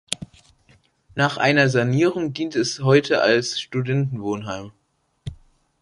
Nach einer Sanierung dient es heute als Studentenwohnheim.